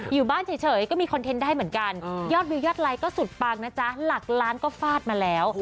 อยู่บ้านเฉยก็มีคอนเทนต์ได้เหมือนกันยอดวิวยอดไลค์ก็สุดปังนะจ๊ะหลักล้านก็ฟาดมาแล้ว